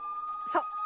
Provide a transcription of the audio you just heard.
そう。